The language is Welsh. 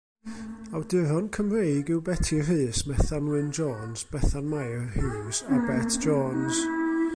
Awduron Cymreig yw Beti Rhys, Bethan Wyn Jones, Bethan Mair Hughes a Bet Jones.